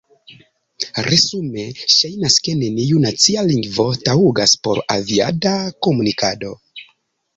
Resume, ŝajnas, ke neniu nacia lingvo taŭgas por aviada komunikado.